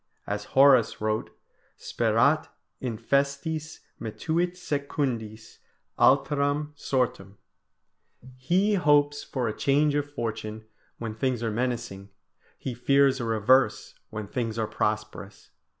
As Horace wrote: "Sperat infestis, metuit secundis Alteram sortem." "He hopes for a change of fortune when things are menacing, he fears a reverse when things are prosperous."